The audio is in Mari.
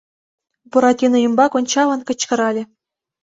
— Буратино ӱмбак ончалын, кычкырале.